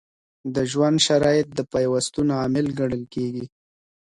د ژوند شرایط د پیوستون عامل ګڼل کیږي.